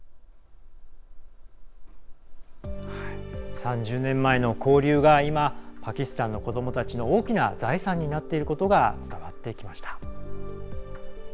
３０年前の交流が今、パキスタンの子どもたちの大きな財産になっていることが伝わってきました。